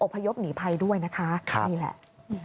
พยพหนีภัยด้วยนะคะนี่แหละ